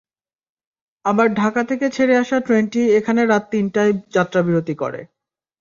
আবার ঢাকা থেকে ছেড়ে আসা ট্রেনটি এখানে রাত তিনটায় যাত্রাবিরতি করে।